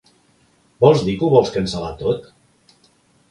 Vols dir que ho vols cancel·lar tot?